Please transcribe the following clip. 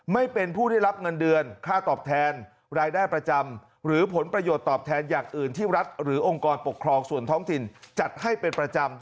ไม่เป็นผู้ได้รับเงินเดือนค่าตอบแทนรายได้ประจำหรือผลประโยชน์ตอบแทนอย่างอื่นที่รัฐหรือองค์กรปกครองส่วนท้องถิ่นจัดให้เป็นประจำ